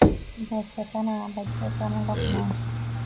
দায়িত্বটা নেয়া বাধ্যতামূলক নয়।